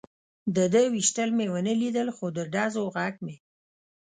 د ده وېشتل مې و نه لیدل، خو د ډزو غږ مې.